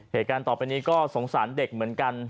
เหตุการณ์ต่อไปนี้ก็สงสารเด็กเหมือนกัน